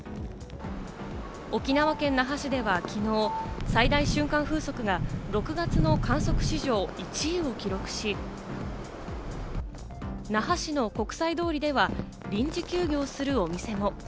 沖縄県那覇市では、きのう最大瞬間風速が６月の観測史上１位を記録し、那覇市の国際通りでは臨時休業するお店も。